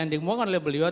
semua kan oleh beliau